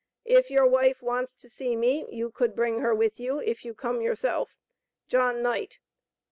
If your wife wants to see me you cold bring her with you if you come your self. JOHN KNIGHT.